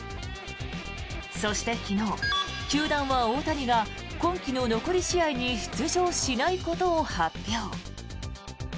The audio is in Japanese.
そして昨日、球団は大谷が今季の残り試合に出場しないことを発表。